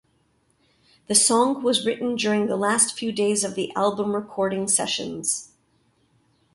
The song was written during the last few days of the album recording sessions.